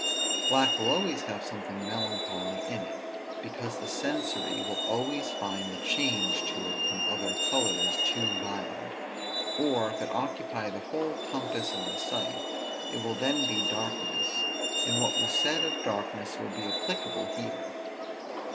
Black will always have something melancholy in it, because the sensory will always find the change to it from other colors too violent; or if it occupy the whole compass of the sight, it will then be darkness; and what was said of darkness will be applicable here.